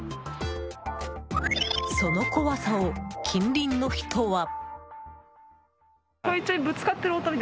その怖さを近隣の人は。